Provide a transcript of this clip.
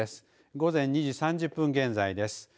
午前２時３０分現在です。